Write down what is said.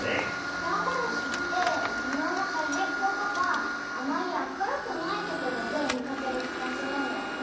ダンゴムシってにわのはじっことかあまりあかるくないところでみかけるきがするんだよね。